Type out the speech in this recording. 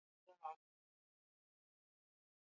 na haya tunayaona hadi leo hii